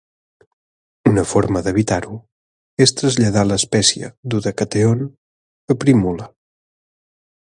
Una forma d'evitar-ho és traslladar l'espècie "Dodecatheon" a "Primula".